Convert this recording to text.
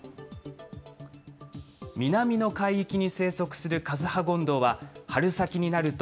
南の海域に生息するカズハゴンドウは、春先になると、